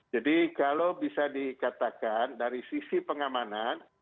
kalau bisa dikatakan dari sisi pengamanan